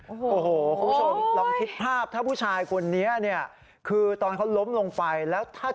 โอ้โหคุณผู้ชมลองคิดภาพถ้าผู้ชายคนนี้เนี่ยคือตอนเขาล้มลงไปแล้วถ้า